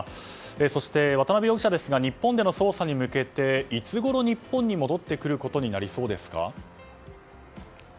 そして、渡辺容疑者ですが日本での捜査に向けていつごろ日本に戻ってくることになりそうですか。